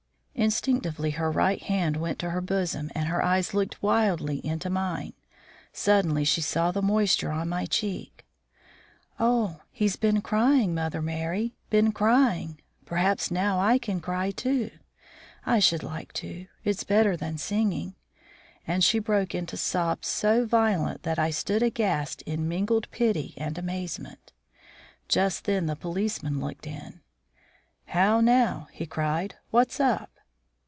Instinctively her right hand went to her bosom and her eyes looked wildly into mine. Suddenly she saw the moisture on my cheeks. "Oh! he's been crying, Mother Merry, been crying. Perhaps now I can cry, too. I should like to; it's better than singing." And she broke into sobs so violent that I stood aghast in mingled pity and amazement. Just then the policeman looked in. "How now?" he cried. "What's up?"